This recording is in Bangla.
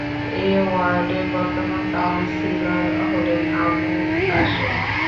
এ ওয়ার্ডের বর্তমান কাউন্সিলর হলেন আবুল কাশেম।